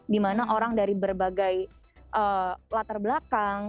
di mana orang dari berbagai latar belakang